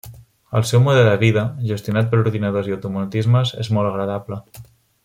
El seu mode de vida, gestionat per ordinadors i automatismes, és molt agradable.